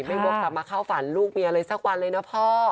ไม่บอกจะมาเข้าฝันลูกเมียอะไรสักวันเลยนะพ่อ